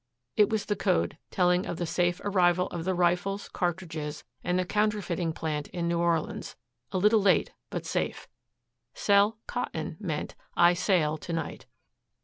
It was the code, telling of the safe arrival of the rifles, cartridges and the counterfeiting plant in New Orleans, a little late, but safe. "Sell cotton," meant "I sail to night."